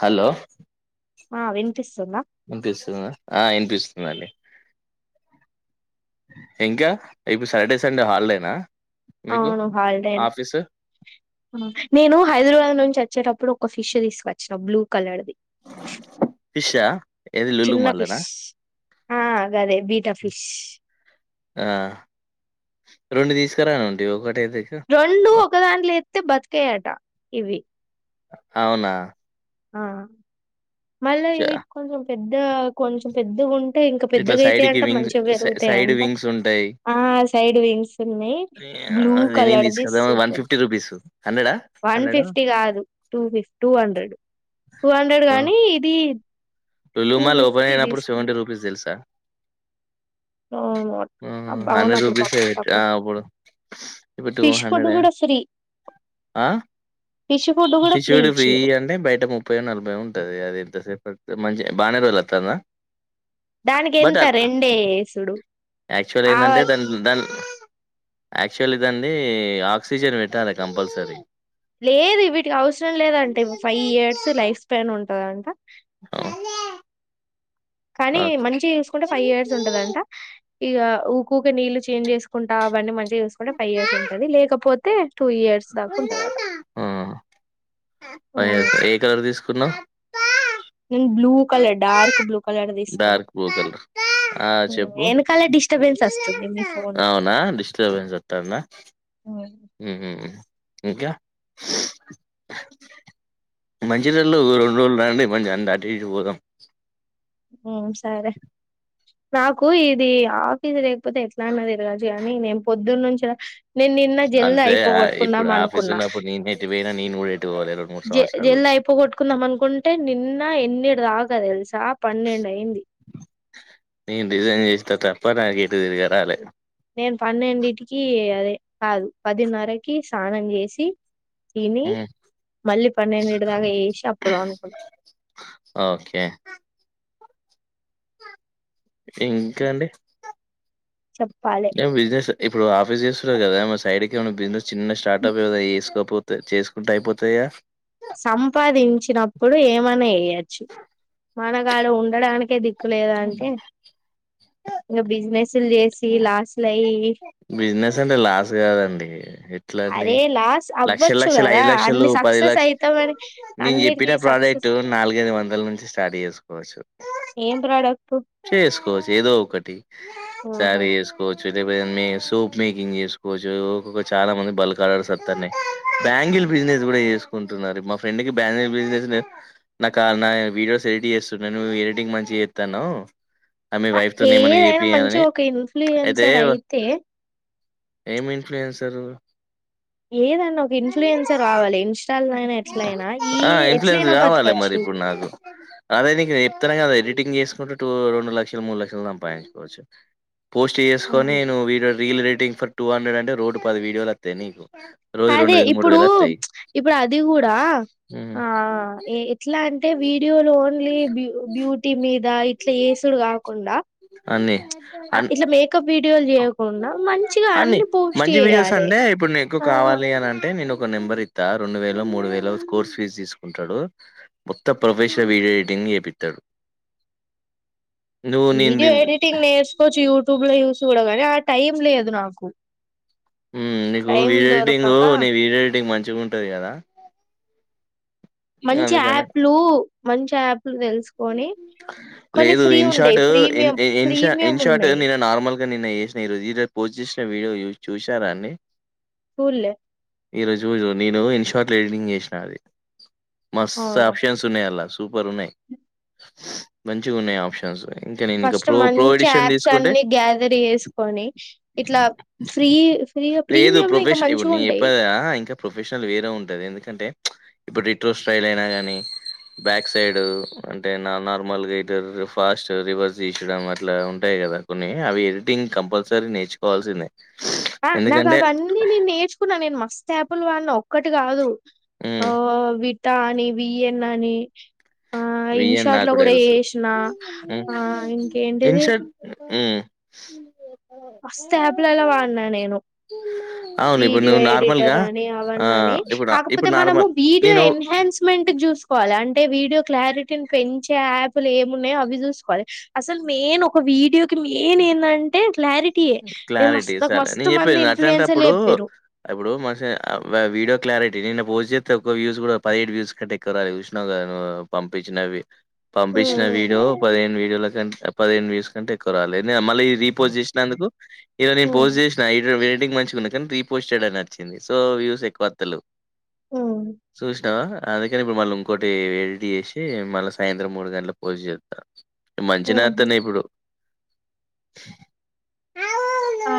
Hello ఆ వినిపిస్తుంద వినిపిస్తుందా ఆ వినిపిస్తుందండి ఇంకా ఇప్పు సాటర్డే సండే హాలిడేనా మీకు అవును హాల్డేనే ఆఫీసు నేను హైదరాబాద్ నుంచి వచ్చేటప్పుడు ఒక ఫిష్ తీసుకుొచ్చిన బ్లూ కలర్ది ఫిష్ ఆ ఏది లుమళనా అదే బీటా ఫిష్ ఆ రెండు తీసుకురానుండి ఒకటి రెండు ఒకదాంట్లో అే బతికాయట ఇవి అవునా ఆ చ- మళ్విటి కొంచ పెద్ద కొంచెం పెద్దగా ఉంటే ఇంకా ఇట్లా పెద్దగా సైడ్ కి అయితాయింట మంచిగా వింగ్స్ సైడ్ పెరుగుతాయింట వింగ్స్ ఉంటాయి ఆ సైడ్ వింగ్స్ ఉన్నాయి ఆ, బ్లూ అది నేను కలర్ది తీసుకద్దాం వన్ సూపర్ ఫిఫ్టీ రూపీస్ హండ్రెడా వన్ హండ్రెడా ఫిఫ్టీ కాదు two fifty two hundred two hundred కాగానీ ఇది టూ లుమాల్ ఓపెన్ ఫిఫ్టీ అయినప్పుడుెవెంటీ తీసుకుంటా రూపీస్ తెలుసా అవును బవును హండ్రెడ్ అప్పుడు ప రూపీస్ తప్పు ఇప్పుడు ఇప్పుడు టూ ఫిష్ ఫడ్ హండ్రెడ్ కూడా ఫ్రీ ఫిష్ ఫుడ్ కూడా పిషవుడు ఫ్రీ ఇచ్చిర్రు అంటే బయట ముప్పై నలభై ఉంటది అది ఎంతసేపు ఫ మ బానేరులుతనా దానికి ఎంత రెండేసుడు ఆవాల యాక్చువల్దండి ఆక్సిజన్ పెట్టారా కంపల్సరీ లేదు వీటికి అవసరం లేదంటే ఫైవ్ ఇయర్స్ లైఫ్ స్పాన్ ఉంటంది అంత ఏమ కానీ మంచి చూసుకుంటే ఫైవ్ ఇయర్స్ ఉంటదంట ఇక ఊకక నీళ్ళలు చేంజ్ చేసుకుంటా అవన్నీ మంచి చూకుే ఫైవ్ ఇయర్స్ ఉంటది లేకపోతే త టూ ఇయర్స్ దాకా ఉంటుంది కదా ఆ కున్నా న blue colour dark blue colour తీసుకున్నా డార్క్ బ్లూ కలర్ ఆ ఉమ్, చెప్పు వెనకాల డిస్టర్బెన్స్ వస్తుంది మీ ఫోన్ లో అవునా డిస్టర్బెన్స్ వట్టాన్న ఉమ్, ఇంకా మంచిదలు రెండు రోజులు రాండి మంచిగా అన్ని అటు ఇటు పోదాం సరే నాకు ఇది ఆఫీస్ లేకపోతే ఎట్లా అన్నతిరగచు కానీ నేను పొద్దున్న నుంచి నేను నిన్న జల్ అంతే ఆ ఇప్పుడు అయిపోగొట్టుకుందాం ఆఫీస్ అనుకున్నా ఉన్నప్పుడు నేనెటు పోయినా నేను గూడా ఎటు పోలే రెండు మూడు సంవత్సరాల జల్ది నుంచి. అయిపోగొట్టుకుందాం అనుకుంటే నిన్న ఎన్ని తెలుసా పన్నెండు అయింది నేను డిజైన్ చేస్తా త ప న కేటు తిరగరాలే నేను పన్నెండిటికి అదే కాదు పదిన్నరకి స్నానం చేసి తిని హ్మ్. మళ్ళీ పన్నెండిటి దాగా చేసి అప్పుడు పండుకుంట ఓకే. ఇంకా అండి చెప్పాలే ఏం బిజినెస్ ఇప్పుడు ఆఫీస్ చేస్తున్నారు కదా మరి సైడ్ కి ఏమన్నా బిజినెస్ చిన్న స్టార్టప్ ఏద వేసుకోకపోతే చేసుకుంటే అయిపోతాయ సంపాదించినప్పుడు ఏమైన చేయచ్చు మనగాడ ఉండడానికే దిక్ కు లేదా అంటే ఇగ బిజినెస్ బిజినెస్ అంటే లాస్ కాదండి ఎట్లా అండి అరే లాస్ లక్ష అవ్వచ్చు లక్షలు కదా ఐదు లక్షలు అన్ని పది సక్సెస్ లక్ష అయితామని నేను చెప్పిన అన్నిటికీ సక్సెస్ ప్రాడెక్ట్ నాలుగైదు వందల నుంచి స్టార్ట్ చేసుకోవచ్చు ఏం ప్రడక్ట్ చేస్ కోసేది ఒకటి ఆహా సారి ఎస్కోచ్ ఇవి ఏమి సూప్ మేకింగ్ చేసుకోవచ్చు ఒకొక్క చాలా మంది బల్క్ ఆర్డర్స్ వస్తానాయి బ్యాంగిల్ బిజినెస్ కూడా చేసుకుంటున్నారు మా ఫ్రెండ్ కి బ్యాంగిల్ బిజినెస్ మీద నా కాడా నా వీడియోస్ ఎడిట్ చేస్తుంటే నువ్వు ఎడిటింగ్ మంచిగా చేస్తున్నావ్ ఆమె వైఫ్ తోనే ఏమన్నా ఏదైనా మంచి చేపియాలని ఒక ఇన్ఫ్లుయన్సర్ అయితే ఏమి ఇన్ఫ్లుయెన్సర్ ఏదన్నా ఒక ఇన్ఫ్లుయెన్సర్ కావాలి ఇన్స్టాలైనా ఎట్లయినా ఈ ఆ ఇన్ఫ్లుయెన్స్ ఎట్లయినా కావాలి మరి బతకచ్చు ఇప్పుడు నాకు అదే నీకు చెప్తానా ఎడిటింగ్ చేసుకుంట ఇటు రెండు లక్షలు మూడు లక్షలు సంపాదించుకోవచ్చు పోస్ట్ ఆ. చేసుకొని నువ్వు వీడియో రీల్ పెట్ ఫర్ టూ హండ్రెడ్ అంటే రోడ్ పది వీడియోలు అత్తైయి నీకు రోజు అదే రెండు వేలు మూడు ఇప్పుడు వేలు వస్తాయి ప్చ్ ఇప్పుడు అది గుడా ఉమ్ ఆ ఎ ఎట్లా [unintelligible] వీ యువర్ ఓన్లీ బ్యూ బ్యూటీ మీద ఇట్ ఇట్లా ఏసుడు గాకుండా అన్ని ఆ అన్ ఇట్లా మేకప్ వీడియోలు జేయకుండా. మంచిగా అన్ని పోస్ట్ మంచి వీడియోస్ చేయాలే, అంటే ఇప్పుడు నీకు ఆ కావాలి అని అంటే నేను ఒక నెంబర్ ఇత్త, రెండు వేలో మూడు వేలో కోర్స్ ఫీజు తీసుకుంటాడు, మొత్తం ప్రొఫెషన్ వీడియో ఎడిటింగ్ చేపిత్తడు. వీడియో ఎడిటింగ్ నేర్చకోవచ్చు యూట్యూబ్ లో చూసి చూడగానే ఆ టైం లేదు నాకు ఆహా నీకు టైం వీడియో ఎడిటింగ్ దొరకక నీ వీడియో ఎడిటింగ్ మంచిగా ఉంటుంది కదా మంచి అందుకని యాప్లు మంచి యాప్ తెలుసుకొని కొన్ని లేదు ఫ్రీ ఇన్ ఉండయి short in premium InShot premium InShot ఉన్నాయి నిన్న నార్మల్ నిన్న ఏసిన ఈరోజు ఈ పోస్ట్ చేసిన వీడియో చూశారండి చుడ్లే ఈ రోజు నేను ఇన్ షార్ట్ ఎడిటింగ్ చేసినా అది మస్తు అవును ఆప్షన్స్ ఉన్నాయి అందులో సూపర్ ఉన్నాయి మంచిగున్నాయి ఆప్షన్స్ ఇంకా నేను ఇంకా ఫస్ట్ ప్రో ప్రో మంచి ఎడిషన్ యాప్స్ తీసుకుంటే అన్ని గ్యాదర్ చేసుకొని ఇట్లా ఫ్రీ ఫ్రీ లేదు ప్రీమియం లో ఇంకా ప్రొఫెషన్ ఇప్పుడు మంచిగా నేను ఉంటాయి చెప్పేది ఇంకా ప్రొఫెషనల్ వేరే ఉంటుంది ఎందుకంటే ఇప్పుడు రిట్రో స్టైల్ అయినా నీ బ్యాక్ సైడ్ అంటే నా నార్మల్గా ఇర్ ఫాస్ట్ రివర్స్ చేసడం అట్లా ఉంటాయి కదా కొన్ని అవి ఎడిటింగ్ కంపల్సరీ నేర్చుకోవాల్సిందే ఆ నాకు ఎందుకంటే అవన్నీ నేను నేర్చుకున్నా నేను మస్తు అప్ప్లు వాడిన ఒక్కటి కాదు ఆ హ్మ్ వి త అని విఎన్ అని ఆ ఇన్ విఎన్ షార్ట్ లో నాకు కూడా ఏ తెలుసు. చేసిన ఆ ఇంకేంటిది ఆ మస్తు యాప్లలో వాడినా నేను అవును ఇప్పుడు వీడియో నువ్వు ఎడిటర్ నార్మల్గా అని ఆ అవన్న అని ఇప్పుడు కాకపోతే ఇప్పుడు మనము నార్మల్ వీడియో నేను ఎన్హాన్స్మెంట్ చూసుకోవాలి అంటే వీడియో క్లారిటీని పెంచే యాప్లు ఏమున్నాయో అవి చూసుకోవాలి అసలు మెయిన్ ఒక వీడియోకి మెయిన్ ఏంటంటే క్లారిటీ క్లారిటీ సరే నేను చెప్పేది అట్లాంటి ఇన్ఫ్లుయెన్సర్లు అప్పుడు చెప్పిర్రు ఇప్పుడు మ వీడియో క్లారిటీ నిన్న పోస్ట్ చేస్తే ఒక్క వ్యూస్ కూడా పదిహేడు వ్యూస్ కంటే ఎక్కకురాలి చూసినావు కద్ పంపించినవి పంపించిన ఉమ్ వీడియో పదిహేను వీడియోల కంట పదిహేడు వ్యూస్ కంటే ఎక్కువాలే మళ్ళీ రీపోస్ట్ చేసినందుకు ఇది నేను ఉమ్ పోజ చేసినా ఇ ఎడిటింగ్ మంచిగున్నది. రీపోస్టెడ్ అని వచ్చింది. సో వ్యూస్ ఎక్కువ వత్తలు ఉమ్ చూసినవా అది ని ఇప్పుడు మళ్ళీ ఇంకోకటి ఎడిట్ చేసి మళ్ళీ సాయంత్రం మూడు గంటలకు పోజి చేస్తా మంచి ఉమ్ ఉమ్ నేత్తన్నా ఇప్పుడు [inaudible]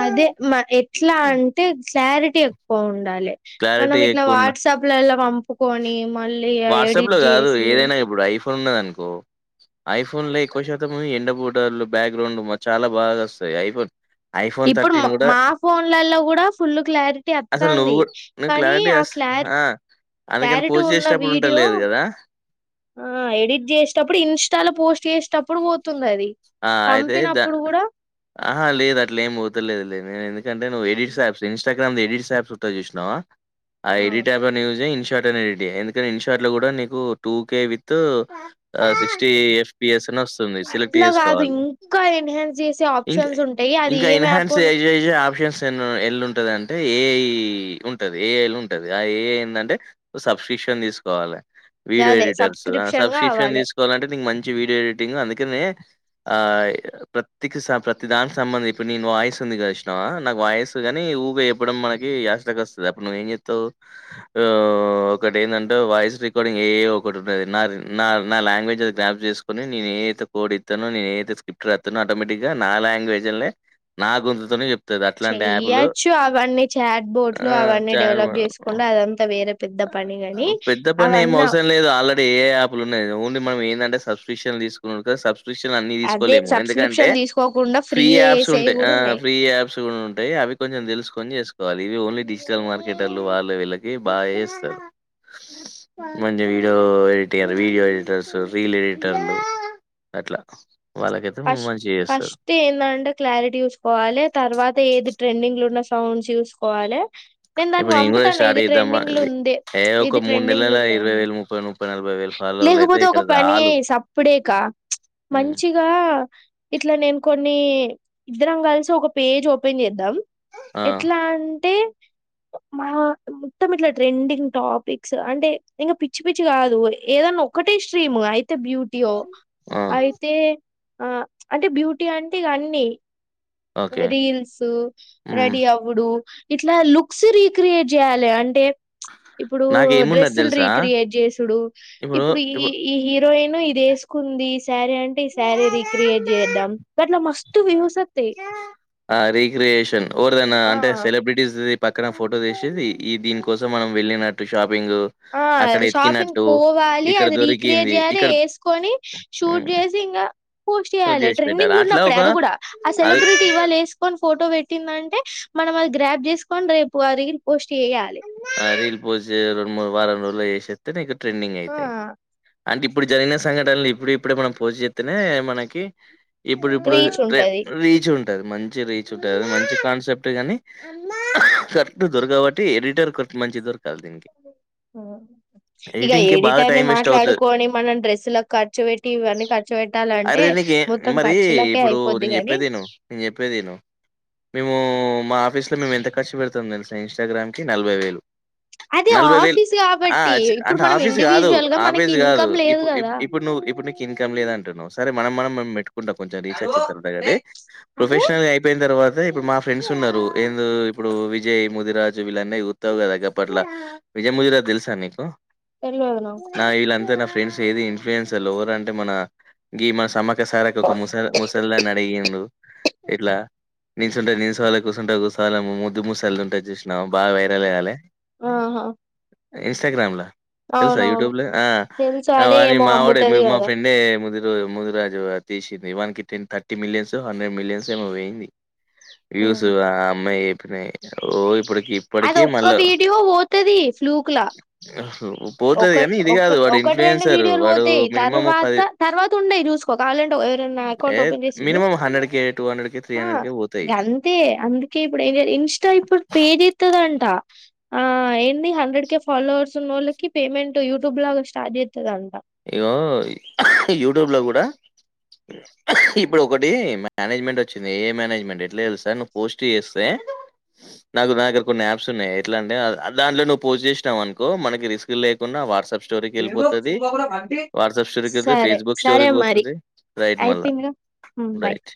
అదే మా ఎట్లా అంటే క్లారిటీ పోం దళ్ళే మనం క్లారిటీ ఇట్లా ఎక్కువున్న వట్సాప్ ల లో ప కోని మల్ వాట్సాప్ లో కాదు ఏదైనా ఇప్పుడు ఐ ఫోన్ ఉన్నది అనుకో, ఐఫోన్ లో ఎక్కువ శాతం ఎండ బూటర్లు బ్యాక్గ్రౌండ్ చాలా బాగా వస్తాయి. ఐఫోన్ ఐఫోన్ ఇప్పుడు గూడా మా ఫోన్లలో కూడా ఫుల్ క్లారిటీ అసలు నువ్వు వత్తంది. గూ నువ్వు కానీ క్లారిటీ ఆ అస్ క్లారి క్లారిటీ ఉన్న వీడియో ఇప్పుడుంటలేదు కదా. ఆ ఎడిట్ చేసేటప్పుడు ఇన్స్టాలో పోస్ట్ చేసేటప్పుడు పోతుంది అది. ఆ అయితే ద పంపినప్పుడు కూడా ఆహా లేదు అట్లా ఏమి పోతలేదు. లేదు నేనుందు కంటే ను్ ఎడిట్ సాఫ్ చే ఇంస్టాగ్రామ్ ది ఎడిట్ యాప్స్ ఉంటది చూసినావా. ఆ ఐడి టబన్యజన్ షట్ అ ఎడిట్ ఇన్షార్ట్ లో కూడా నీకు టూ కే విత్ పప్పా సిక్స్టీ ఎఫ్స్ ను వస్తుంది సెలక్ట్ ఇట్లాగాదు ఇంకా ఎన్హాన్స్ చేసే ఇంక్ ఆప్షన్స్ ఉంటాయి. అది ఇంకా ఏం ఎన్హాన్స్ ఎప్పో అంటే ఏఐ ఉంటది, ఏఐ ఉంటది ఆ ఏఐ ఏందంటే సబ్స్క్రిప్షన్ తీసుకోవాలి. వీడియో అదే ఎడిటర్స్ సబ్స్క్రిప్షన్ సబ్స్క్రిప్షన్ కావాలి తీసుకోవాలంటే నీకు మంచి వీడియో ఎడిటింగ్ అందుకనే ఆ ప్రతికి ప్రతి దానికి సంబంధం ఇప్పుడు నేను వాయిస్ ఉంది కదా. ఇష్టమా నాకు వాయిస్ కాని ఊగా ఇవ్వడం మనకి సటక వస్తుంది. అప్పుడు నువ్వ ఏం చెస్తావు, ఒకటి ఏంటంటే వాయిస్ రికార్డింగ్ ఏ ఒకటి ఉన్నది. నా నా నా లాంగ్వేజ్ అ గ్ప్ చేసుకుని నేను ఏయితే కోడ్ నేనైతే స్క్రిప్ట్ రాతాను ఆటోమేటిక్గా నా లాంగ్వేజ్ లనే గొంతుతోనేచెప్ చెయ్యొచ్చు. అవన్నీ చాట్ బోట్లు ఆహ్, అవన్నీ చాన్ డెవలప్ చేసుకుంటే అదంతా వేరే పెద్ద పనిగాని అవన్నా ఆల్రెడి ఏఐ యాప్ లు ఉన్నాయి కదా ఓన్లీ మన ఏంటే సబ్స్క్రయిప్షన్ తీసుకు సబ్ అన్ని అదే తీసుకోలేము ఎందుకంటే సబ్స్క్రిప్షన్ తీసుకోకుండా ఫ్రీ ఫ్రీగా యాప్స్ చేసేవి ఉంటాయి. కూడా ఉన్నాయి ఫ్రీ యాప్స్ కూడా ఉంటాయి. అవి కొంచెం తెలుసుకొని చేసుకో సో అదివి ఓన్లీ డిజిటల్ మార్కెటర్లు వాళ్ళ వీళ్ళకి బాగా [unintelligible] మంచి video editor video editors reel ఎడిటర్లు అట్లా వాళ్ళకైతే ఫస్ట్ మంచిగా చేస్తారు ఫస్ట్ ఏందంటే క్లారిటీ చూసుకోవాలి తర్వాత ఏది ట్రెండింగ్లు ఉన్న సౌండ్ చూసుకోవాలే నేను దానికి ఇప్పుడు కూడా పంపుతాను స్టార్ట్ ఇది చేద్దామా ట్రెండింగ్లు ఇది ఉందే ఏ ఒక ఇది మూడు ట్రెండింగ్లు నెలల ఉందే ఇరవై అని వేలు ముప్పై ముప్పై నలభై వేలు ఫాలోవర్లు అయితే లేకపోతే ఒక ఇక్కడ పని చాలు చేయి సపడా ఉమ్, ఇక ఇట్లా నేను కొన్ని ఇద్దరంగాల్సి ఒక పేజ్ ఓపెన్ చేద్దాం ఆ ఎట్లా అంటే మా మొత్తం ఇట్లా ట్రెండింగ్ టాపిక్స్ అంటే ఇంకా పిచ్చి పిచ్చి కాదు ఏదన్నా ఒక్కటే స్ట్రీమ్ అయి బ్యూటీయో ఆ అయితే ఆ అంటే బ్యూటీ అంటే ఇగ అన్నీ ఓకే రీల్స్ ఉమ్, రెడీ అవ్వుడు ఇట్లా లుక్స్ రీక్రియేట్ చేయాలి అంటే ఇప్పుడు నాకేమున్నది డ్రెస్సులు తెలుసా రీక్రియేట్ చేసుడు ఇప్పుడు ఈ ఈ హీరో హీరోయిన్ ఇది వేసుకుంది శారీ అంటే ఈ శారీ రీిక్రియేట్ చేద్దాం అట్లా మస్త్ టు వ్యూస్ వస్తాయి ఆ రీిక్రియేషన్ ఓరిదనా అంటే ఆ సెలబ్రిటీస్ ది పక్కన ఫోటో తీసేది ఈ దీని కోసం మనం వెళ్ళినట్టు షాప్ ఆ షాపింగ్ పోవాలి ఇక్కడ అది రీక్రియేట్ దొరికింది చేయాలి ఇక్కడ వేసుకొని షూట్ చేసి ఇంకా పోస్ట్ షూట్ చేయాలి చేసి పెట్టారు ట్రెండింగ్లు అట్లా ఉన్నప్పుడే ఒక అది కూడా అది సెలబ్రిటీ ఇవాళ వేసుకొని ఫోటో పెట్టిందంటే మనం అది గ్రాప్ చేసుకోని రేపు ఆ రీల్ పోస్ట్ చేయాలి ఆ రీల్ పోస్ట్ చేయడం మూడు వారం రో అట్ల చేసేతే నీకు ట్రెండింగ్ ఆ అయితయి అంటే ఇప్పుడు జరిగిన సంఘటనలు ఇప్పుడు ఇప్పుడే మనం పోస్ట్ చేస్తనే మనకి ఇప్పుడు ఇప్పుడు రీచ్ ట్రై ఉంటది రీచ్ ఉ మంచి రీచ్ ఉంటది మంచి కాన్సెప్ట్ కానీ కరెక్ట్ దొరకబట ఎడిటర్ కొంత మంచి దొరకాలి దీనికి ఇక ఎడిటింగ్ కి బాగా ఎడిటర్ ని టైం వేస్ట్ అవుతది మాట్లాడుకొని మనం డ్రెస్సులకు ఖర్చు పెట్టి ఇవన్నీ ఖర్చు పెట్టాలంటే అరే నీకు మొత్తం మరి ఖర్చులకే ఇప్పుడు అయిపోద్ది నేను గానీ చెప్పేది ఇను నేను చెప్పేది ఫస్ట్ లోే ఎంత ఖర్చు పెడుతం తెల్సిన ఇంస్టాగ్రామ్ కి నలభై వేలు అది నలభై వేలు ఆఫీస్ ఆ కాబట్టి ఇప్పుడు అంటే మనం ఆఫీస్ కాదు ఇండివిజువల్ గా మనకి ఆఫీసు కాదు ఇన్కమ్ లేదు ఇప్పుడు కదా ఇప్పుడు నువ్వు ఇప్పుడు నీకు ఇన్కమ్ లేదంటున్నావ్ సరే మన మనం మం పెట్ కుండా కొంచం రీసర్చ్ చేతన్న గాని అదే ప్రొఫెషనల్గా అయిపోయిన తర్వాత అదే ఇప్పుడు మా ఫ్రెండ్స్ ఉన్నారు ఏందో ఇప్పుడు విజయ్ ముదిరాజ్ వీళ్ళ అన్ని చూతావ్ కదా పట్ల విజయ ముజరా తెలుసా నీకు తెల్వదు నాకు నా ఈల్లంతా నా ఫ్రెండ్స్ ఏది ఇన్ఫ్లుయెన్సర్లు ఎవర్ అంటే మనా గీమా, సమ ఒకసారి ఒక ముసల్ ముసల్దాన్ని అడిగిండు. ఇట్లా నిల్చుంటే నిల్చోవాలె కూసుంటే కూసోవాలె ముద్దు ముూసళ్ దుంటది చూశ్ నాం బాగా వైరల్ గాలే. ఆహా ఇంస్టాగ్రామ్లా. తెల్సా అవునవును యూట్యూబ్ల్ తెలుసు ఆ అదే వాణి ఏమో మా వోడే అమ్ముతది మా కదా ఫ్రెండే ముదిరాజు అది తీశింది. వానికి ten thirty millions hundred millions ఏమో పోయింది. వ్యూస్ ఆ అమ్మాయే మే ఓ ఇప్పుడికి అది ఒక్క వీడియో పోతది. ఫ్లూక్లా పోతది ఒక గానీ ఇది ఒక గాదు వాడు ఒకటి రెండు ఇన్‌ఫ్లుయెన్సర్. వీడియోలు వాడు పోతయ్. మినిమమ్ తర్వాత తర్వాత ఉండయి చూసుకో కావాలంటే ఎవరన్నా ఏ అకౌంట్ ఓపెన్ చేసిచూడు. మినిమమ్ కే, కే, ఆ కే పోతయి. గంతే అందుకే ఇప్పుడు ఇన్స్టా ఇప్పుడు పే చేత్తదం ఆ ఎన్ని హండ్రెడ్ కె ఫాలోవర్స్ ఉన్నోళ్ల కి పేమెంట్ యూట్యూబ్ లాగా స్టార్ట్ చేత్తది అంట. ఇగో యూట్యూబ్ లో కూడా ఇప్పుడు ఒకటీ మేనేజ్మెంట్ వచ్చింది. ఏ మేనేజ్మెంట్ ఎట్లా తెలుసా నువ్వు పోస్ట్ చేస్తే నాకు నా దగ్గర కొన్ని యాప్స్ ఉన్నయి ఎట్లా అంటే దాంట్లో నువ్వు పోస్ట్ చేసినవు అనుకో మనకి రిస్క్ లేకుండా వాట్సాప్ స్టోరీకి వెళ్ళిపోతది. వాట్సప్ స్టోరికివెళ్తే, సరే ఫేస్బుక్ సరే మరి స్టోరికిపోతది. రైట్ మళ్ళ అయిపోయిందిగా బాయ్ రైట్.